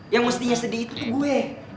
yang mestinya sedih itu tuh gue